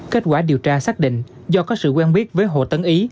kết quả điều tra xác định do có sự quen biết với hồ tấn ý